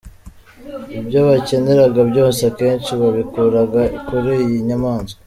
Ibyo bakeneraga byose akenshi babikuraga kuri iyi nyamanswa.